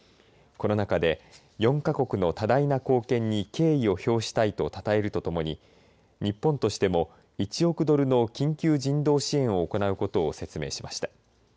この中で４か国の多大な貢献に敬意を表したいとたたえるとともに日本としても１億ドルの緊急人道支援を行うことを説明しました。